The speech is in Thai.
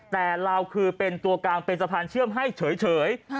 แต่ลาวคือเป็นตัวกลางเป็นสะพานเชื่อมให้เฉย